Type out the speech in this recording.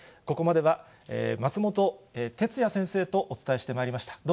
ここまでは松本哲哉先生とお伝えしてまいりました。